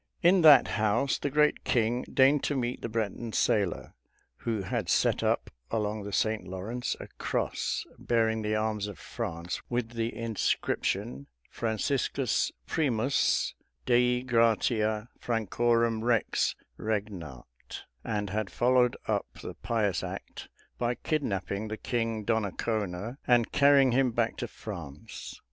In that house the great king deigned to meet the Breton sailor, who had set up along the St. Lawrence a cross bearing the arms of France with the inscription Franciscus Primus, Dei gratia Francorum Rex regnat; and had followed up the pious act by kidnapping the king Donnacona, and carrying him back to France.